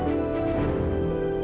aku akan mengingatmu